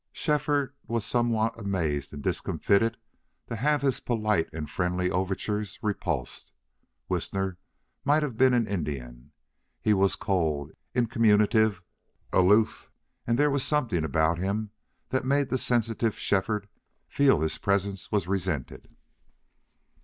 Shefford was somewhat amazed and discomfited to have his polite and friendly overtures repulsed. Whisner might have been an Indian. He was cold, incommunicative, aloof; and there was something about him that made the sensitive Shefford feel his presence was resented.